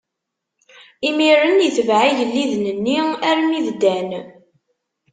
Imiren itbeɛ igelliden-nni armi d Dan.